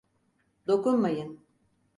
Dokunmayın!